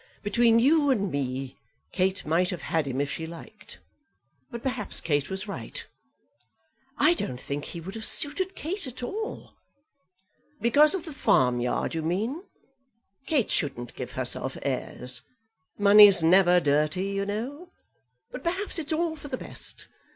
Between you and me, Kate might have had him if she liked; but perhaps Kate was right." "I don't think he would have suited Kate at all." "Because of the farmyard, you mean? Kate shouldn't give herself airs. Money's never dirty, you know. But perhaps it's all for the best.